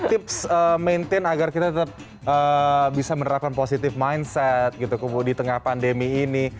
tips maintain agar kita tetap bisa menerapkan positive mindset gitu di tengah pandemi ini